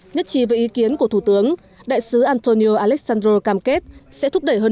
nhất trí với ý kiến của thủ tướng đại sứ antonio alessandro cam kết sẽ thúc đẩy hơn